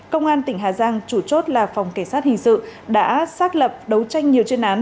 công an tỉnh hà giang chủ chốt là phòng cảnh sát hình sự đã xác lập đấu tranh nhiều chuyên án